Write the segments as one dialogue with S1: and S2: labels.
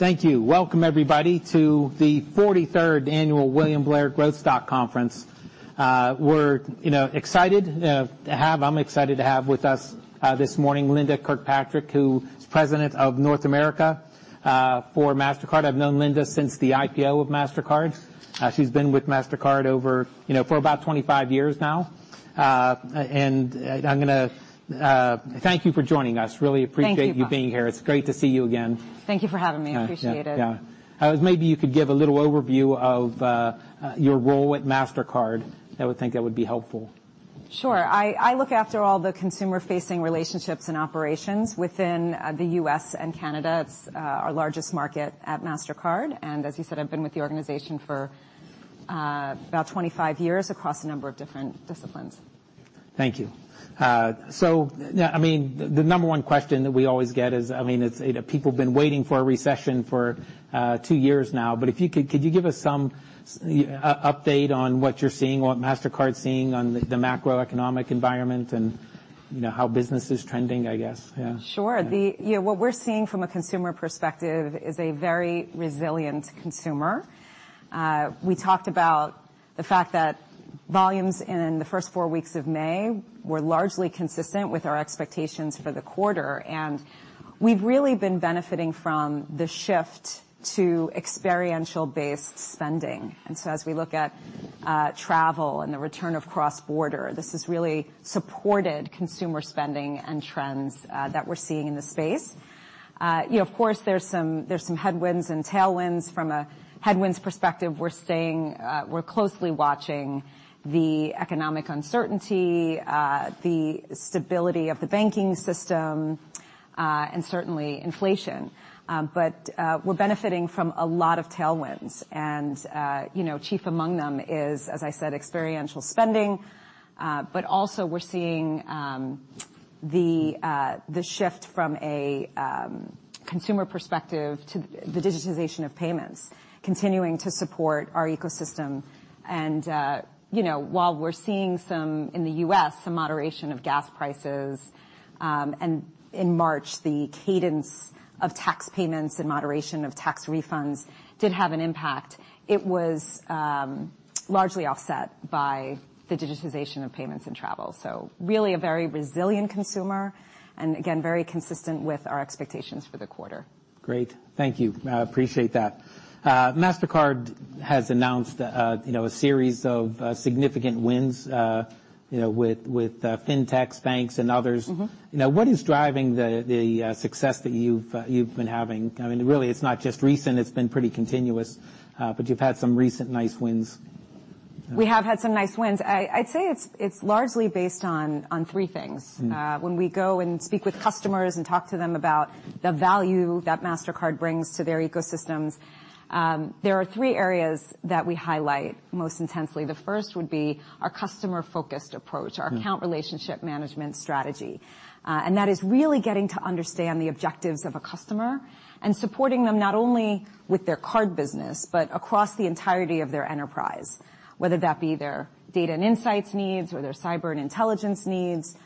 S1: Thank you. Welcome, everybody, to the 43rd annual William Blair Growth Stock Conference. I'm excited to have with us this morning, Linda Kirkpatrick, who is President of North America for Mastercard. I've known Linda since the IPO of Mastercard. She's been with Mastercard over, you know, for about 25 years now. And I'm gonna—thank you for joining us. Really appreciate.
S2: Thank you.
S1: You being here. It's great to see you again.
S2: Thank you for having me.
S1: Yeah.
S2: I appreciate it.
S1: Yeah. Maybe you could give a little overview of your role at Mastercard. I would think that would be helpful.
S2: Sure. I look after all the consumer-facing relationships and operations within the U.S. and Canada. It's our largest market at Mastercard, and as you said, I've been with the organization for about 25 years across a number of different disciplines.
S1: Thank you. Yeah, I mean, the number one question that we always get is, I mean, people have been waiting for a recession for two years now. If you could you give us some update on what you're seeing, what Mastercard's seeing on the macroeconomic environment and, you know, how business is trending, I guess? Yeah.
S2: Sure. The, you know, what we're seeing from a consumer perspective is a very resilient consumer. We talked about the fact that volumes in the first four weeks of May were largely consistent with our expectations for the quarter, and we've really been benefiting from the shift to experiential-based spending. As we look at travel and the return of cross-border, this has really supported consumer spending and trends that we're seeing in the space. You know, of course, there's some headwinds and tailwinds. From a headwinds perspective, we're staying, we're closely watching the economic uncertainty, the stability of the banking system, and certainly inflation. We're benefiting from a lot of tailwinds, and, you know, chief among them is, as I said, experiential spending. Also we're seeing the shift from a consumer perspective to the digitization of payments, continuing to support our ecosystem. You know, while we're seeing some, in the U.S., some moderation of gas prices, and in March, the cadence of tax payments and moderation of tax refunds did have an impact, it was largely offset by the digitization of payments and travel. Really a very resilient consumer, and again, very consistent with our expectations for the quarter.
S1: Great. Thank you. I appreciate that. Mastercard has announced, you know, a series of significant wins, you know, with fintechs, banks, and others.
S2: Mm-hmm.
S1: What is driving the success that you've been having? I mean, really, it's not just recent, it's been pretty continuous, but you've had some recent nice wins.
S2: We have had some nice wins. I'd say it's largely based on three things.
S1: Mm.
S2: When we go and speak with customers and talk to them about the value that Mastercard brings to their ecosystems, there are three areas that we highlight most intensely. The first would be our customer-focused approach.
S1: Mm.
S2: Our account relationship management strategy. That is really getting to understand the objectives of a customer and supporting them not only with their card business, but across the entirety of their enterprise, whether that be their data and insights needs or their cyber and intelligence needs,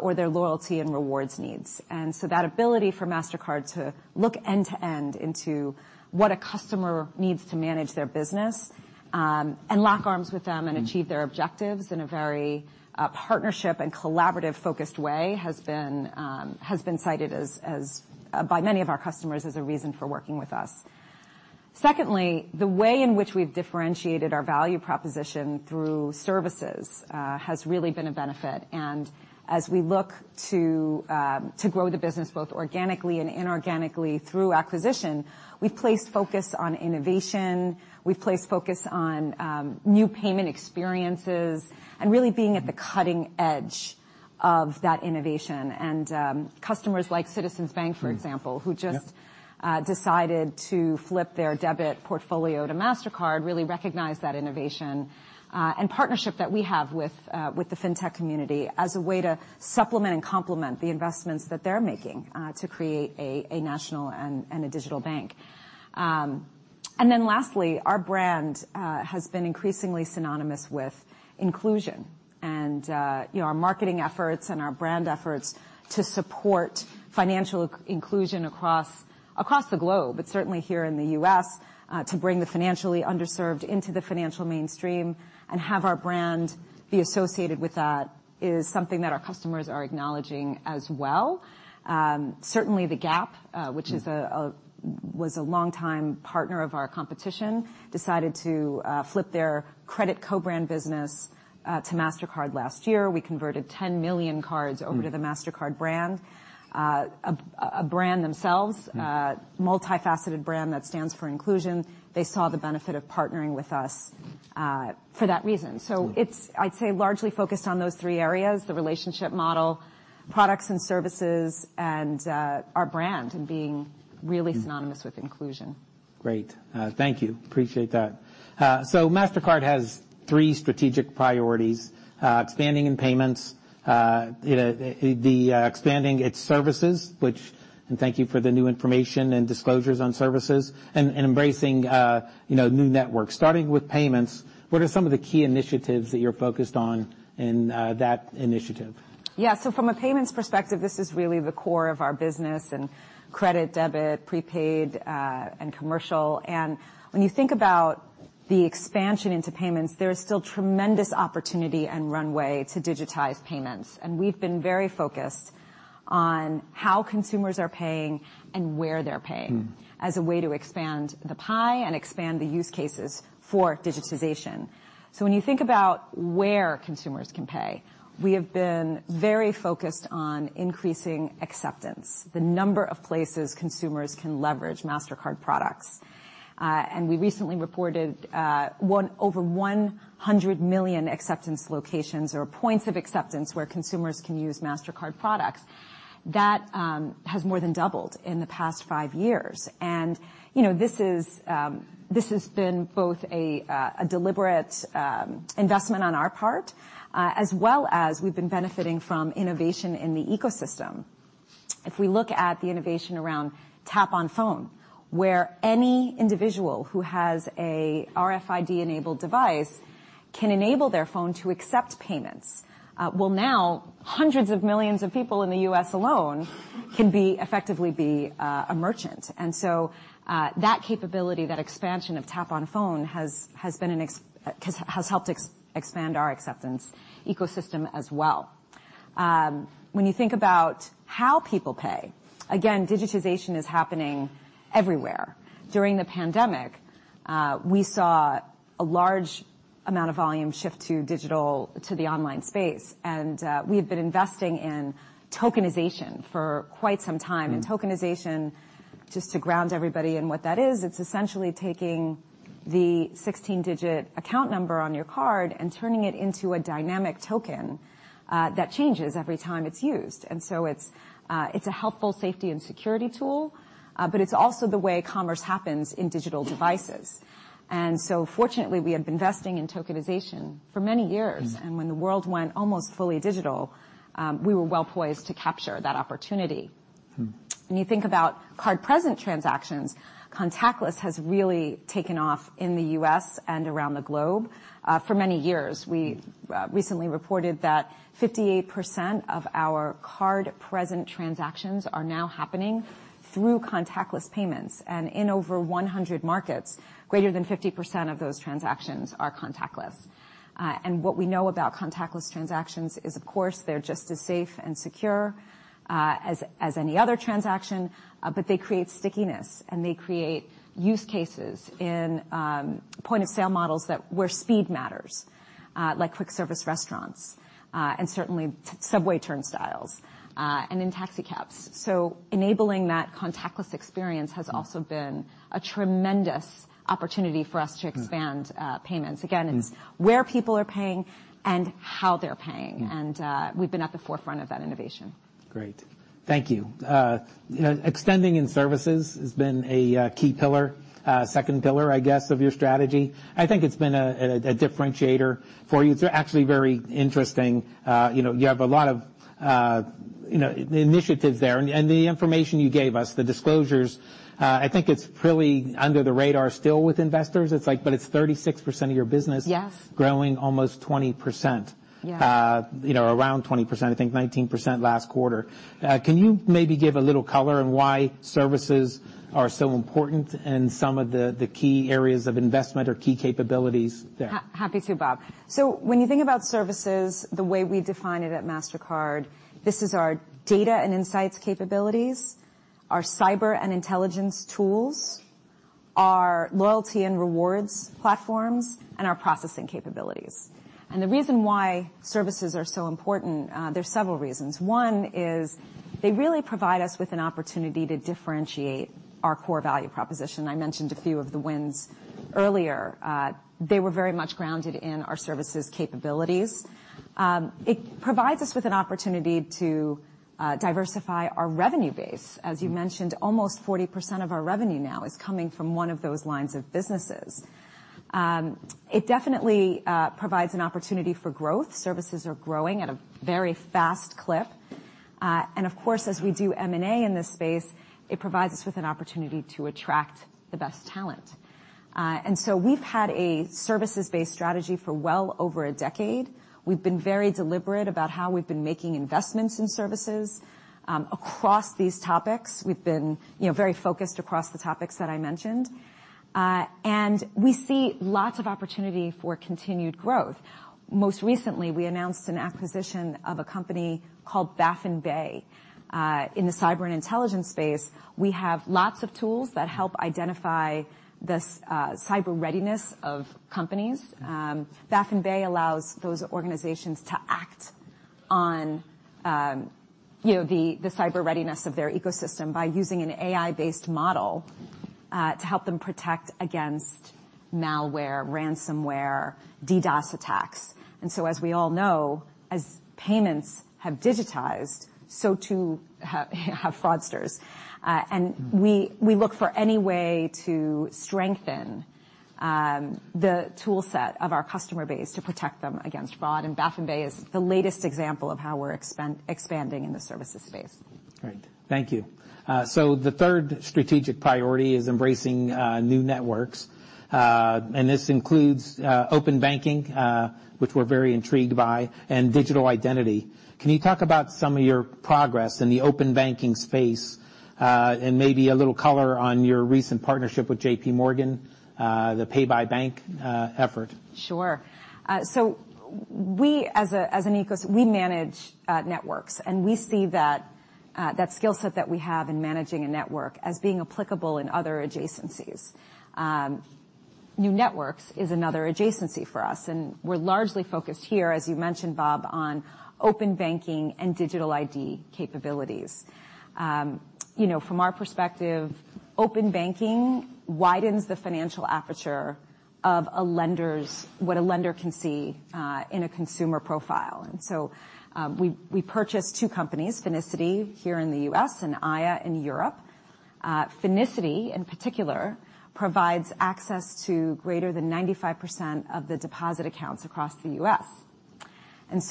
S2: or their loyalty and rewards needs. That ability for Mastercard to look end to end into what a customer needs to manage their business, and lock arms with them.
S1: Mm
S2: And achieve their objectives in a very partnership and collaborative-focused way, has been cited as by many of our customers, as a reason for working with us. Secondly, the way in which we've differentiated our value proposition through services has really been a benefit. As we look to grow the business, both organically and inorganically through acquisition, we've placed focus on innovation, we've placed focus on new payment experiences, and really being at the cutting edge of that innovation. Customers like Citizens Bank, for example.
S1: Yep.
S2: Who just decided to flip their debit portfolio to Mastercard, really recognize that innovation and partnership that we have with the fintech community as a way to supplement and complement the investments that they're making to create a national and a digital bank. Lastly, our brand has been increasingly synonymous with inclusion, and, you know, our marketing efforts and our brand efforts to support financial inclusion across the globe, but certainly here in the U.S. to bring the financially underserved into the financial mainstream and have our brand be associated with that, is something that our customers are acknowledging as well. Certainly the Gap, which was a longtime partner of our competition, decided to flip their credit co-brand business to Mastercard last year. We converted 10 million cards.
S1: Mm
S2: Over to the Mastercard brand. a brand.
S1: Mm
S2: A multifaceted brand that stands for inclusion. They saw the benefit of partnering with us, for that reason.
S1: Mm.
S2: It's, I'd say, largely focused on those three areas: the relationship model, products and services, and our brand.
S1: Mm
S2: Synonymous with inclusion.
S1: Great. Thank you. Appreciate that. Mastercard has three strategic priorities, expanding in payments, expanding its services, and thank you for the new information and disclosures on services, and embracing, you know, new networks. Starting with payments, what are some of the key initiatives that you're focused on in that initiative?
S2: Yeah, from a payments perspective, this is really the core of our business, and credit, debit, prepaid, and commercial. When you think about the expansion into payments, there is still tremendous opportunity and runway to digitize payments. We've been very focused on how consumers are paying and where they're paying, as a way to expand the pie and expand the use cases for digitization. When you think about where consumers can pay, we have been very focused on increasing acceptance, the number of places consumers can leverage Mastercard products. We recently reported over 100 million acceptance locations or points of acceptance where consumers can use Mastercard products. That has more than doubled in the past 5 years. You know, this is, this has been both a deliberate investment on our part, as well as we've been benefiting from innovation in the ecosystem. If we look at the innovation around Tap on Phone, where any individual who has a RFID-enabled device can enable their phone to accept payments, well, now, hundreds of millions of people in the U.S. alone can effectively be a merchant. That capability, that expansion of Tap on Phone has been has helped expand our acceptance ecosystem as well. When you think about how people pay, again, digitization is happening everywhere. During the pandemic, we saw a large amount of volume shift to digital, to the online space, we have been investing in tokenization for quite some time.
S1: Mm.
S2: Tokenization, just to ground everybody in what that is, it's essentially taking the 16-digit account number on your card and turning it into a dynamic token that changes every time it's used. It's a helpful safety and security tool, but it's also the way commerce happens in digital devices. Fortunately, we have been investing in tokenization for many years.
S1: Mm.
S2: When the world went almost fully digital, we were well-poised to capture that opportunity.
S1: Mm.
S2: When you think about card-present transactions, contactless has really taken off in the U.S. and around the globe, for many years.
S1: Mm.
S2: We recently reported that 58% of our card-present transactions are now happening through contactless payments, and in over 100 markets, greater than 50% of those transactions are contactless. And what we know about contactless transactions is, of course, they're just as safe and secure, as any other transaction, but they create stickiness, and they create use cases in point-of-sale models that, where speed matters, like quick-service restaurants, and certainly subway turnstiles, and in taxi cabs. Enabling that contactless experience has also been a tremendous opportunity for us to expand.
S1: Mm
S2: Payments.
S1: Mm.
S2: It's where people are paying and how they're paying.
S1: Mm.
S2: We've been at the forefront of that innovation.
S1: Great. Thank you. extending in services has been a key pillar, second pillar, I guess, of your strategy. I think it's been a differentiator for you. It's actually very interesting. you know, you have a lot of, you know, initiatives there, and the information you gave us, the disclosures, I think it's really under the radar still with investors. It's like, but it's 36% of your business.
S2: Yes
S1: Growing almost 20%.
S2: Yeah.
S1: You know, around 20%. I think 19% last quarter. Can you maybe give a little color on why services are so important and some of the key areas of investment or key capabilities there?
S2: Happy to, Bob. When you think about services, the way we define it at Mastercard, this is our data and insights capabilities, our cyber and intelligence tools, our loyalty and rewards platforms, and our processing capabilities. The reason why services are so important, there are several reasons. One is they really provide us with an opportunity to differentiate our core value proposition. I mentioned a few of the wins earlier. They were very much grounded in our services capabilities. It provides us with an opportunity to diversify our revenue base. As you mentioned, almost 40% of our revenue now is coming from one of those lines of businesses. It definitely provides an opportunity for growth. Services are growing at a very fast clip. Of course, as we do M&A in this space, it provides us with an opportunity to attract the best talent. We've had a services-based strategy for well over a decade. We've been very deliberate about how we've been making investments in services. Across these topics, we've been, you know, very focused across the topics that I mentioned. We see lots of opportunity for continued growth. Most recently, we announced an acquisition of a company called Baffin Bay. In the cyber and intelligence space, we have lots of tools that help identify the cyber readiness of companies. Baffin Bay allows those organizations to act on, you know, the cyber readiness of their ecosystem by using an AI-based model to help them protect against malware, ransomware, DDoS attacks. As we all know, as payments have digitized, so too have fraudsters. We look for any way to strengthen the toolset of our customer base to protect them against fraud, and Baffin Bay is the latest example of how we're expanding in the services space.
S1: Great. Thank you. The third strategic priority is embracing new networks. This includes open banking, which we're very intrigued by, and digital identity. Can you talk about some of your progress in the open banking space, and maybe a little color on your recent partnership with J.P. Morgan, the Pay-by-bank effort?
S2: Sure. So we as a, as an ecos, we manage networks, and we see that skill set that we have in managing a network as being applicable in other adjacencies. New networks is another adjacency for us, and we're largely focused here, as you mentioned, Bob, on open banking and digital ID capabilities. You know, from our perspective, open banking widens the financial aperture of what a lender can see in a consumer profile. So we purchased two companies, Finicity here in the U.S., and Aiia in Europe. Finicity, in particular, provides access to greater than 95% of the deposit accounts across the U.S.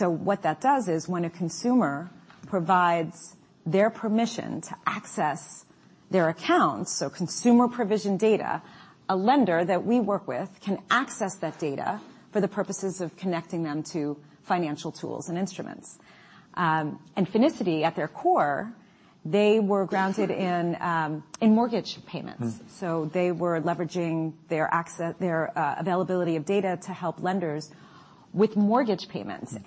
S2: What that does is when a consumer provides their permission to access their accounts, so consumer provision data, a lender that we work with can access that data for the purposes of connecting them to financial tools and instruments. Finicity, at their core, they were grounded in mortgage payments.
S1: Mm.
S2: They were leveraging their availability of data to help lenders with mortgage payments.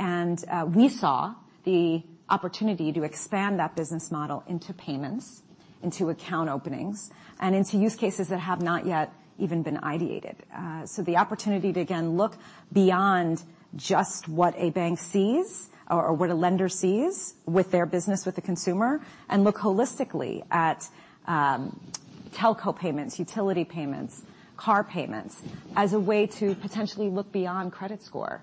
S2: We saw the opportunity to expand that business model into payments, into account openings, and into use cases that have not yet even been ideated. The opportunity to, again, look beyond just what a bank sees or what a lender sees with their business with the consumer, and look holistically at telco payments, utility payments, car payments, as a way to potentially look beyond credit score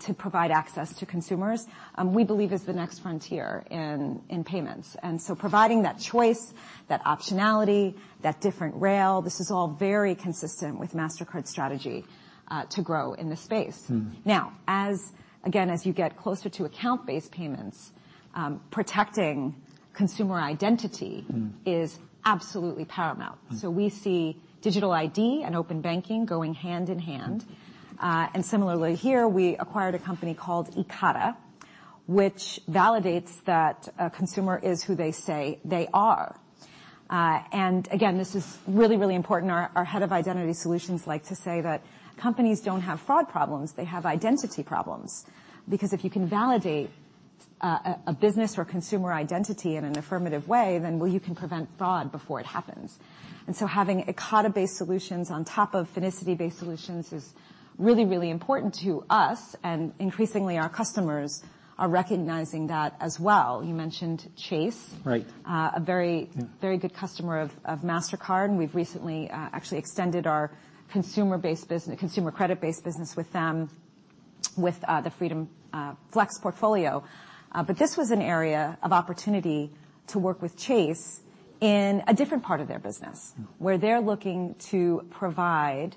S2: to provide access to consumers, we believe is the next frontier in payments. Providing that choice, that optionality, that different rail, this is all very consistent with Mastercard's strategy to grow in the space.
S1: Mm.
S2: Now, as again, as you get closer to account-based payments, protecting consumer identity.
S1: Mm
S2: Is absolutely paramount.
S1: Mm.
S2: We see digital ID and open banking going hand in hand. Similarly here, we acquired a company called Ekata, which validates that a consumer is who they say they are. Again, this is really, really important. Our head of identity solutions likes to say that companies don't have fraud problems, they have identity problems, because if you can validate a business or consumer identity in an affirmative way, then, well, you can prevent fraud before it happens. Having Ekata-based solutions on top of Finicity-based solutions is really, really important to us, and increasingly, our customers are recognizing that as well. You mentioned Chase.
S1: Right.
S2: Uh, a very-
S1: Mm...
S2: very good customer of Mastercard, and we've recently actually extended our consumer credit-based business with them, with the Freedom Flex portfolio. This was an area of opportunity to work with Chase in a different part of their business.
S1: Mm
S2: where they're looking to provide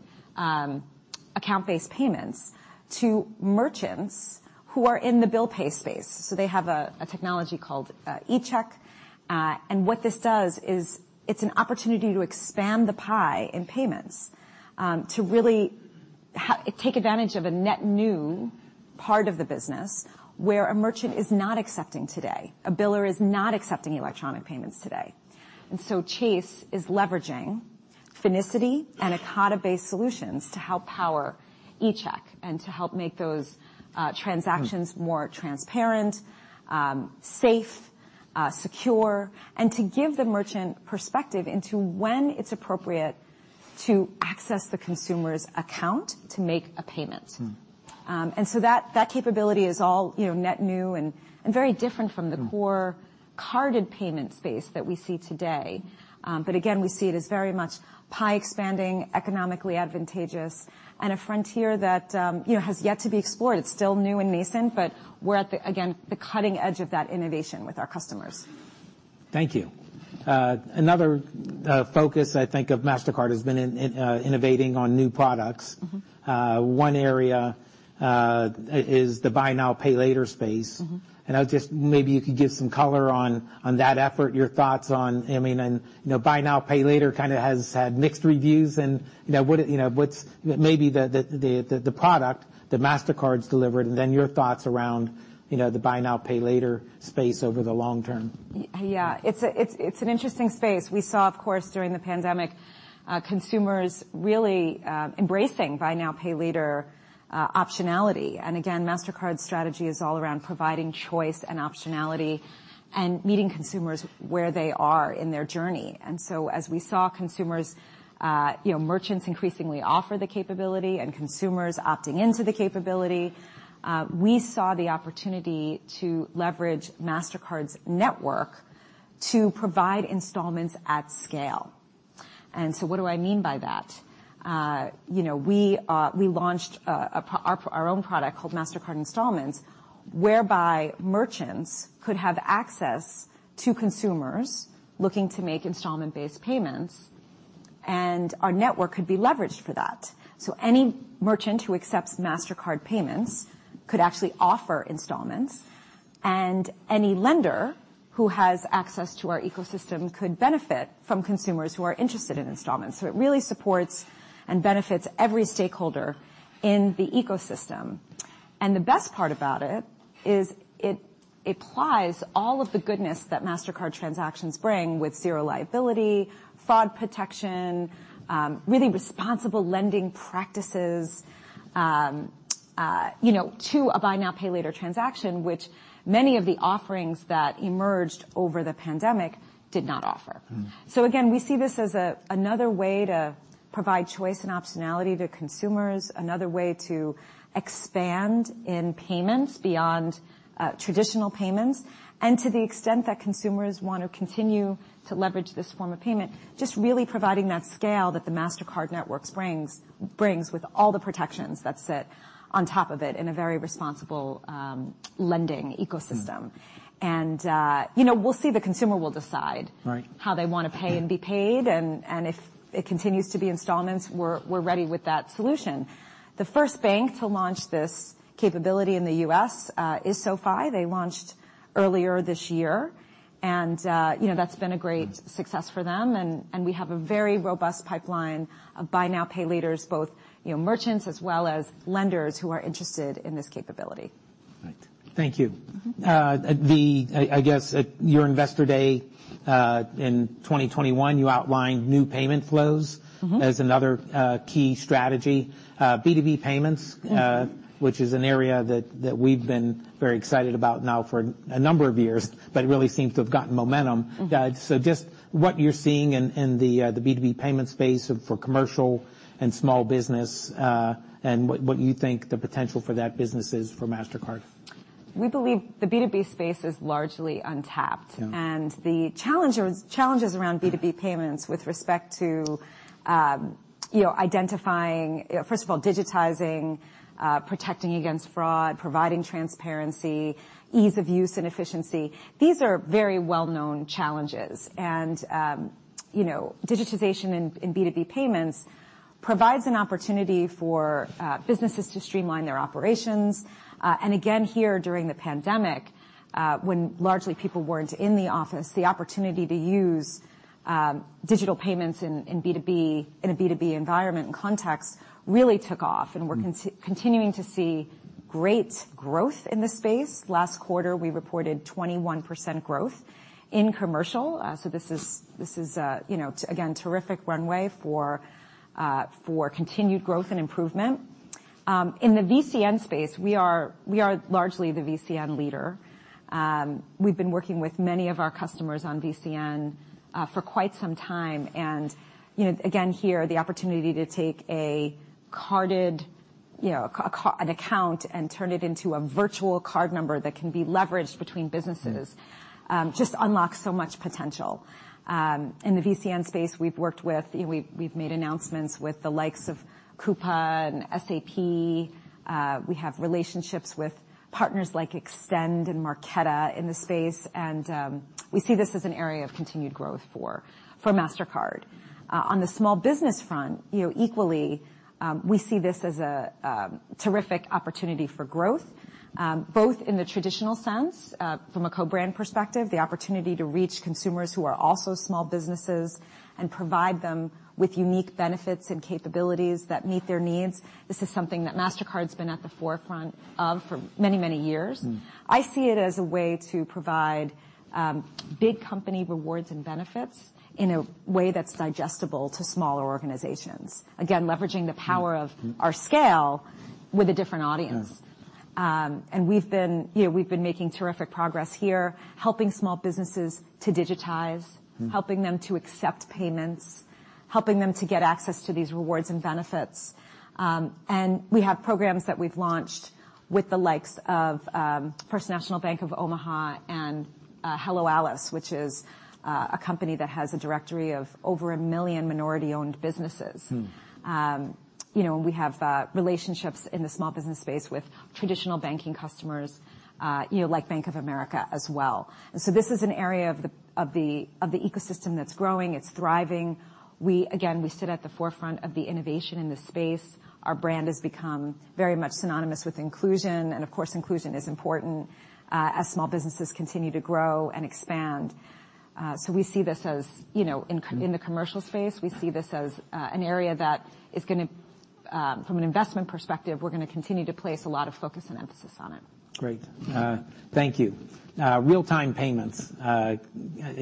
S2: account-based payments to merchants who are in the bill pay space. They have a technology called eCheck. What this does is it's an opportunity to expand the pie in payments to really take advantage of a net new part of the business where a merchant is not accepting today, a biller is not accepting electronic payments today. Chase is leveraging Finicity and Ekata-based solutions to help power eCheck and to help make those transactions.
S1: Mm
S2: More transparent, safe, secure, and to give the merchant perspective into when it's appropriate to access the consumer's account to make a payment.
S1: Mm.
S2: That capability is all, you know, net new and very different from the core.
S1: Mm
S2: Carded payment space that we see today. Again, we see it as very much pie expanding, economically advantageous, and a frontier that, you know, has yet to be explored. It's still new and nascent, but we're at the, again, the cutting edge of that innovation with our customers.
S1: Thank you. another focus, I think, of Mastercard has been in, innovating on new products.
S2: Mm-hmm.
S1: One area is the buy now, Pay Later space.
S2: Mm-hmm.
S1: Maybe you could give some color on that effort, your thoughts on, I mean, you know, buy now, Pay Later kind of has had mixed reviews, and, you know, what, you know, what's maybe the product that Mastercard's delivered, and then your thoughts around, you know, the buy now, Pay Later space over the long term?
S2: It's an interesting space. We saw, of course, during the pandemic, consumers really embracing buy now, Pay Later optionality. Again, Mastercard's strategy is all around providing choice and optionality and meeting consumers where they are in their journey. As we saw consumers, you know, merchants increasingly offer the capability and consumers opting into the capability, we saw the opportunity to leverage Mastercard's network to provide installments at scale. What do I mean by that? You know, we launched our own product called Mastercard Installments, whereby merchants could have access to consumers looking to make installment-based payments, and our network could be leveraged for that. Any merchant who accepts Mastercard payments could actually offer installments, and any lender who has access to our ecosystem could benefit from consumers who are interested in installments. It really supports and benefits every stakeholder in the ecosystem. The best part about it is it applies all of the goodness that Mastercard transactions bring, with Zero Liability, fraud protection, really responsible lending practices, you know, to a buy now, Pay Later transaction, which many of the offerings that emerged over the pandemic did not offer.
S1: Mm.
S2: Again, we see this as a, another way to provide choice and optionality to consumers, another way to expand in payments beyond traditional payments. To the extent that consumers want to continue to leverage this form of payment, just really providing that scale that the Mastercard network brings with all the protections that sit on top of it in a very responsible lending ecosystem.
S1: Mm.
S2: You know, we'll see. The consumer will decide.
S1: Right
S2: How they want to pay and be paid. If it continues to be installments, we're ready with that solution. The first bank to launch this capability in the U.S. is SoFi. They launched earlier this year, and you know, that's been a great success for them. We have a very robust pipeline of buy now, Pay Laters, both, you know, merchants as well as lenders who are interested in this capability.
S1: Right. Thank you.
S2: Mm-hmm.
S1: The, I guess, at your Investor Day, in 2021, you outlined new payment flows.
S2: Mm-hmm
S1: As another key strategy. B2B payments.
S2: Mm-hmm
S1: Which is an area that we've been very excited about now for a number of years, but it really seems to have gotten momentum.
S2: Mm.
S1: Just what you're seeing in the B2B payment space for commercial and small business, and what you think the potential for that business is for Mastercard.
S2: We believe the B2B space is largely untapped.
S1: Yeah.
S2: The challenges around B2B payments with respect to, you know, identifying, first of all, digitizing, protecting against fraud, providing transparency, ease of use, and efficiency, these are very well-known challenges. You know, digitization in B2B payments provides an opportunity for businesses to streamline their operations. Again, here, during the pandemic, when largely people weren't in the office, the opportunity to use digital payments in B2B, in a B2B environment and context, really took off.
S1: Mm.
S2: We're continuing to see great growth in this space. Last quarter, we reported 21% growth in commercial. This is, you know, again, terrific runway for continued growth and improvement. In the VCN space, we are largely the VCN leader. We've been working with many of our customers on VCN for quite some time. You know, again, here, the opportunity to take a carded, you know, an account and turn it into a virtual card number that can be leveraged between businesses.
S1: Mm
S2: Just unlocks so much potential. In the VCN space, we've worked with, you know, we've made announcements with the likes of Coupa and SAP. We have relationships with partners like Extend and Marqeta in the space, and we see this as an area of continued growth for Mastercard. On the small business front, you know, equally, we see this as a terrific opportunity for growth, both in the traditional sense, from a co-brand perspective, the opportunity to reach consumers who are also small businesses and provide them with unique benefits and capabilities that meet their needs. This is something that Mastercard's been at the forefront of for many, many years.
S1: Mm.
S2: I see it as a way to provide, big company rewards and benefits in a way that's digestible to smaller organizations. Again, leveraging the power.
S1: Mm, mm
S2: Of our scale with a different audience.
S1: Yeah.
S2: We've been, you know, we've been making terrific progress here, helping small businesses to digitize.
S1: Mm
S2: Helping them to accept payments, helping them to get access to these rewards and benefits. We have programs that we've launched with the likes of, First National Bank of Omaha and Hello Alice, which is a company that has a directory of over 1 million minority-owned businesses.
S1: Mm.
S2: You know, we have relationships in the small business space with traditional banking customers, you know, like Bank of America as well. This is an area of the ecosystem that's growing. It's thriving. We, again, we sit at the forefront of the innovation in this space. Our brand has become very much synonymous with inclusion. Of course, inclusion is important as small businesses continue to grow and expand. We see this as, you know.
S1: Mm
S2: In the commercial space, we see this as, an area that is gonna, from an investment perspective, we're gonna continue to place a lot of focus and emphasis on it.
S1: Great.
S2: Mm.
S1: Thank you. Real-time payments. You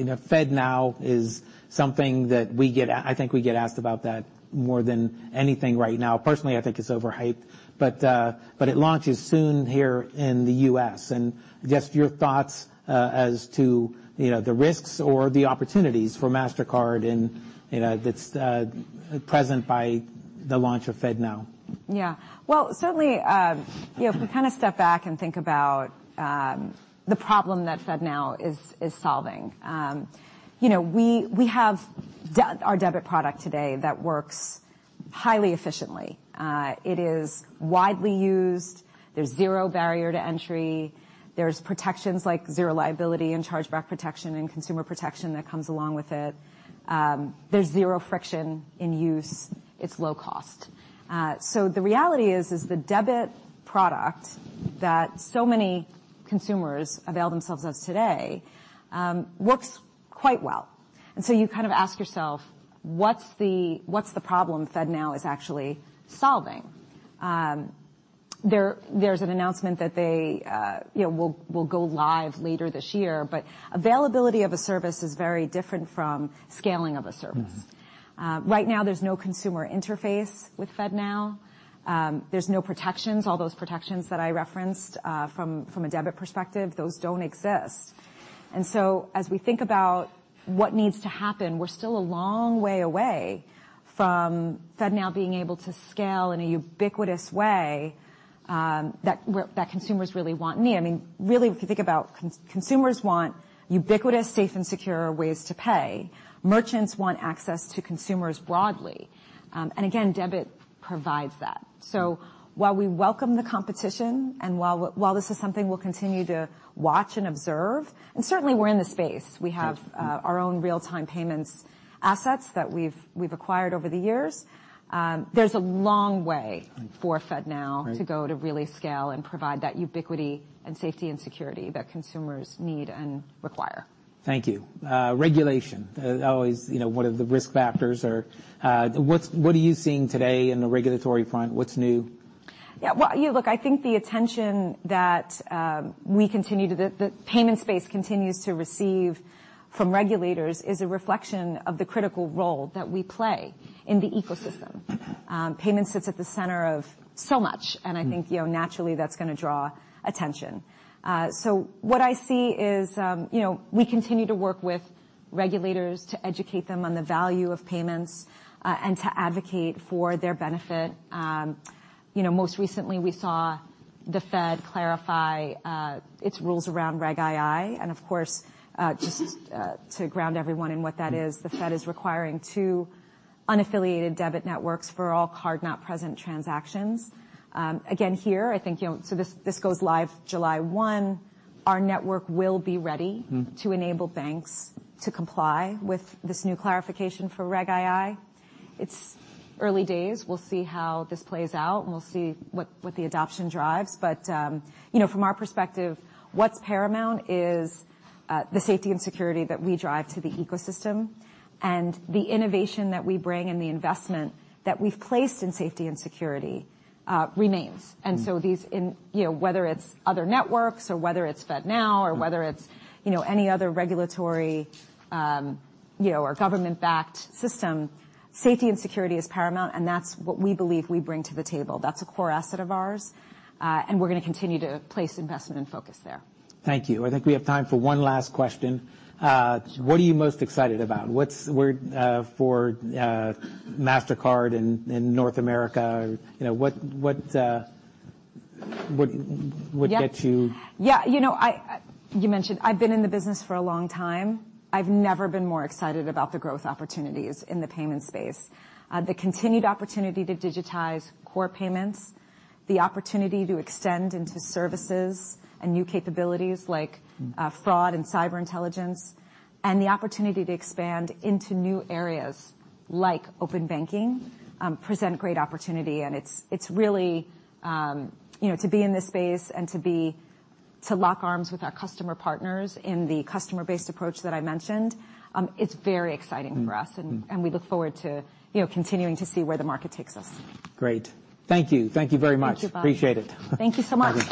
S1: know, FedNow is something that we get I think we get asked about that more than anything right now. Personally, I think it's overhyped, but it launches soon here in the U.S. Just your thoughts, as to, you know, the risks or the opportunities for Mastercard in, that's, present by the launch of FedNow?
S2: Yeah. Well, certainly, you know, if we kind of step back and think about the problem that FedNow is solving. You know, we have our debit product today that works highly efficiently. It is widely used. There's zero barrier to entry. There's protections like Zero Liability and chargeback protection and consumer protection that comes along with it. There's zero friction in use. It's low cost. The reality is the debit product that so many consumers avail themselves of today, works quite well. You kind of ask yourself: What's the problem FedNow is actually solving? There's an announcement that they, you know, will go live later this year, but availability of a service is very different from scaling of a service.
S1: Mm-hmm.
S2: Right now, there's no consumer interface with FedNow. There's no protections. All those protections that I referenced from a debit perspective, those don't exist. As we think about what needs to happen, we're still a long way away from FedNow being able to scale in a ubiquitous way that consumers really want and need. If you think about consumers want ubiquitous, safe, and secure ways to pay. Merchants want access to consumers broadly. Again, debit provides that. While we welcome the competition, and while this is something we'll continue to watch and observe, and certainly we're in the space.
S1: Sure.
S2: We have our own real-time payments assets that we've acquired over the years, there's a long way for FedNow.
S1: Right.
S2: To go to really scale and provide that ubiquity and safety and security that consumers need and require.
S1: Thank you. Regulation, always, you know, one of the risk factors or—what are you seeing today in the regulatory front? What's new?
S2: Well, you know, look, I think the attention that The payments space continues to receive from regulators is a reflection of the critical role that we play in the ecosystem.
S1: Mm-hmm.
S2: Payment sits at the center of so much.
S1: Mm
S2: You know, naturally that's gonna draw attention. What I see is, you know, we continue to work with regulators to educate them on the value of payments, and to advocate for their benefit. You know, most recently, we saw the Fed clarify its rules around Reg II. Of course, just to ground everyone in what that is, the Fed is requiring two unaffiliated debit networks for all card-not-present transactions. Again, here, I think, you know, this goes live July 1. Our network will be ready.
S1: Mm.
S2: To enable banks to comply with this new clarification for Reg II. It's early days. We'll see how this plays out, and we'll see what the adoption drives. You know, from our perspective, what's paramount is the safety and security that we drive to the ecosystem and the innovation that we bring and the investment that we've placed in safety and security remains.
S1: Mm.
S2: You know, whether it's other networks or whether it's FedNow.
S1: Mm
S2: Or whether it's, you know, any other regulatory, you know, or government-backed system, safety and security is paramount, and that's what we believe we bring to the table. That's a core asset of ours, and we're gonna continue to place investment and focus there.
S1: Thank you. I think we have time for one last question. What are you most excited about? What's for Mastercard in North America? You know, what would get you.
S2: You know, you mentioned I've been in the business for a long time. I've never been more excited about the growth opportunities in the payments space. The continued opportunity to digitize core payments, the opportunity to extend into services and new capabilities.
S1: Mm
S2: Fraud and cyber intelligence, and the opportunity to expand into new areas, like open banking, present great opportunity. It's really, you know, to be in this space and to lock arms with our customer partners in the customer-based approach that I mentioned, it's very exciting for us.
S1: Mm, mm.
S2: We look forward to, you know, continuing to see where the market takes us.
S1: Great. Thank you. Thank you very much.
S2: Thank you, Bob.
S1: Appreciate it.
S2: Thank you so much.